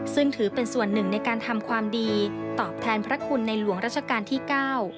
ซึ่งถือเป็นส่วนหนึ่งในการทำความดีตอบแทนพระคุณในหลวงราชการที่เก้า